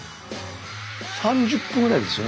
３０分ぐらいですよね